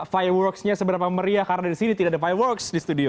fireworksnya seberapa meriah karena di sini tidak ada fireworks di studio